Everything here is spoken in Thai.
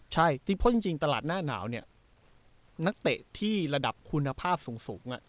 ใช่เพราะจริงตลาดหน้าหนาวเนี่ยนักเตะที่ระดับคุณภาพสูง